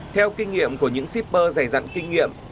theo kinh nghiệm của những shipper dày dặn kinh nghiệm